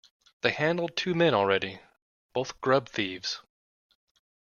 They handled two men already, both grub-thieves.